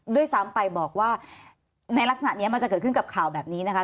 ด้วยซ้ำไปบอกว่าในลักษณะนี้มันจะเกิดขึ้นกับข่าวแบบนี้นะคะ